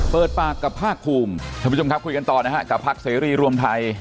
เปิดปากกับภาคภูมิท่านผู้ชมครับคุยกันต่อนะฮะกับพักเสรีรวมไทย